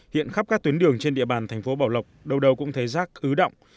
hiện khắp các tuyến đường trên địa bàn thành phố bảo lộc đâu đâu cũng thấy rác ứ động